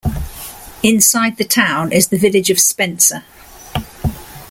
Inside the town is the Village of Spencer.